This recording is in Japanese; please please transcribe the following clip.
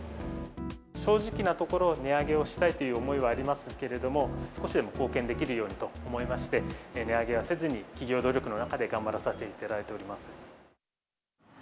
正直なところ、値上げをしたいという思いはありますけれども、少しでも貢献できるようにと思いまして、値上げはせずに、企業努力の中で頑張らさせていただいております。